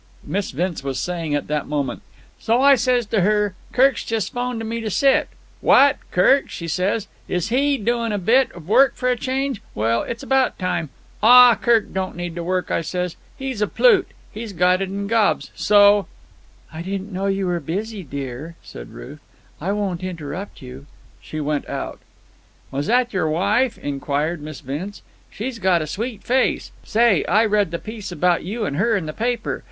Miss Vince was saying at the moment: "So I says to her, 'Kirk's just phoned to me to sit.' 'What! Kirk!' she says. 'Is he doin' a bit of work for a change? Well, it's about time.' 'Aw, Kirk don't need to work,' I says. 'He's a plute. He's got it in gobs.' So——" "I didn't know you were busy, dear," said Ruth. "I won't interrupt you." She went out. "Was that your wife?" inquired Miss Vince. "She's got a sweet face. Say, I read the piece about you and her in the paper.